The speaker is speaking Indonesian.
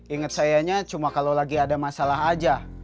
ingat sayanya cuma kalau lagi ada masalah aja